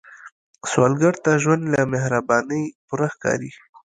سوالګر ته ژوند له مهربانۍ پوره ښکاري